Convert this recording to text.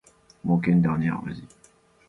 She went on to play every game of that series.